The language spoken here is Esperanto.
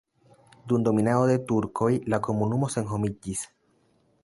Dum dominado de turkoj la komunumo senhomiĝis.